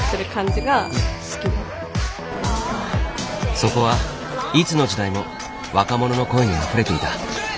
そこはいつの時代も若者の声にあふれていた。